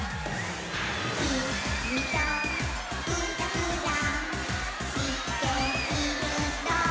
「きみとぶらぶらしていると」